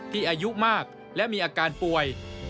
อายุมากและมีอาการป่วย